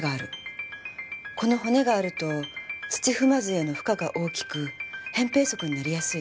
この骨があると土踏まずへの負荷が大きく扁平足になりやすい。